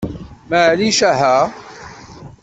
Maɛlic, aha!